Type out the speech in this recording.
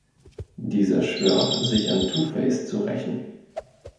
Dieser schwört, sich an Two-Face zu rächen.